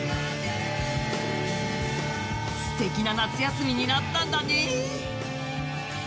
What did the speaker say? すてきな夏休みになったんだね。